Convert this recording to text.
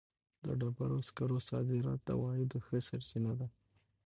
د ډبرو سکرو صادرات د عوایدو ښه سرچینه ده.